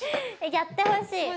やってほしい。